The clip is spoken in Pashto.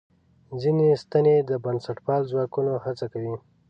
ځینې سنتي بنسټپال ځواکونه هڅه کوي.